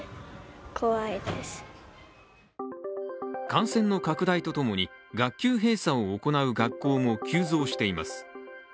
感染の拡大とともに、学校閉鎖を行う学校も急増しています。